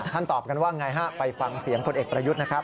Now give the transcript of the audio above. ท่านตอบกันว่าอย่างไรฮะไปฟังเสียงคนเอกประยุทธ์นะครับ